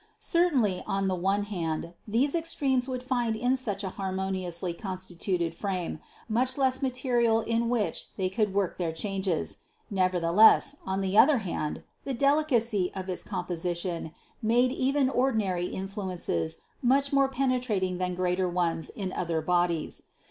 Certainly, on the one hand, these extremes would find in such a harmoniously constituted frame much less material in which they could work their changes; never theless, on the other hand, the delicacy of its composi 178 CITY OF GOD tion made even ordinary influences much more penetrat ing than greater ones in other bodies.